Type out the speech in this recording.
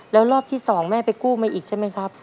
แล้วรอบที่๒แม่ไปกู้มาอีกใช่ไหมครับ